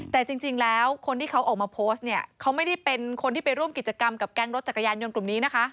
แต่จริงแล้วคนที่เขาออกมาโพสต์เนี่ยเขาไม่ได้เป็นคนที่ไปร่วมกิจกรรมกับแก๊งรถจักรยานยนต์กลุ่มนี้นะคะ